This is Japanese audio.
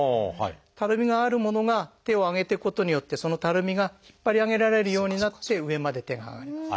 たるみがあるものが手を上げていくことによってそのたるみが引っ張り上げられるようになって上まで手が上がります。